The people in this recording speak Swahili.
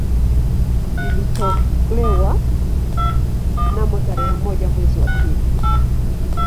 Ilitolewa mnamo tarehe moja mwezi wa pili